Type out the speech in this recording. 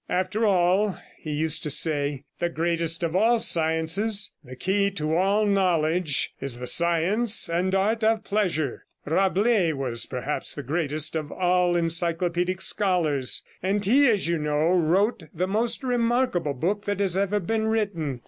'After all,' he used to say, 'the greatest of all sciences, the key to all knowledge, is the science and art of pleasure. Rabelais was perhaps the greatest of all the encyclopaedic scholars; and he, as you know, wrote the most remarkable book that has ever been written.